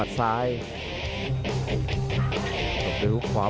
หมดยกที่สองครับ